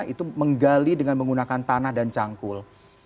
itu menggali dengan menggunakan tanah dan cangkul